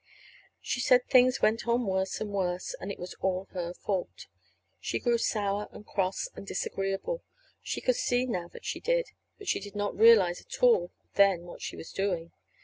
She said things went on worse and worse and it was all her fault. She grew sour and cross and disagreeable. She could see now that she did. But she did not realize at all then what she was doing.